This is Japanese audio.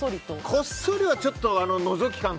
こっそりはちょっとのぞき感じ